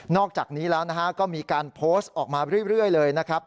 อกจากนี้แล้วนะฮะก็มีการโพสต์ออกมาเรื่อยเลยนะครับ